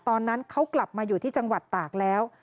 ตอนนั้นเขากลับมาอยู่ที่จังหวัดตากแล้ว